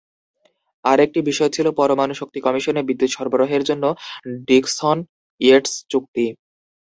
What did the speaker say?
আরেকটি বিষয় ছিল পরমাণু শক্তি কমিশনে বিদ্যুৎ সরবরাহের জন্য ডিক্সন-ইয়েটস চুক্তি।